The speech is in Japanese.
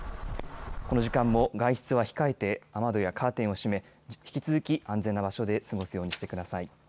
この時間も外出は控えて、雨戸やカーテンを閉め、引き続き安全な場所で過ごすようにしてください。